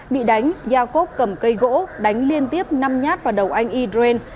bị đánh iacob cầm cây gỗ đánh liên tiếp năm nhát vào đầu anh iacob